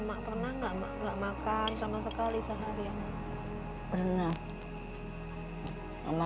mak pernah nggak makan sama sekali seharian pernah